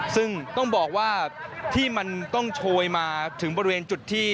ซึ่งต้องบอกว่าที่มันต้องโชยมาถึงบริเวณจุดที่